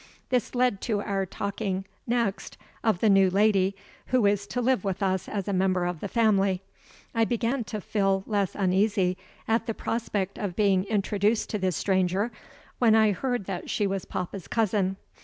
This led to our talking next of the new lady, who is to live with us as a member of the family. I began to feel less uneasy at the prospect of being introduced to this stranger, when I heard that she was papa's cousin.